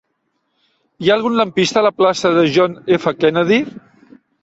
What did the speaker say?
Hi ha algun lampista a la plaça de John F. Kennedy?